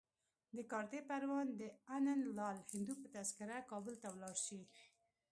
د کارته پروان د انندلال هندو په تذکره کابل ته ولاړ شي.